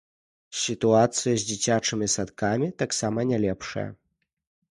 Сітуацыя з дзіцячымі садкамі таксама не лепшая.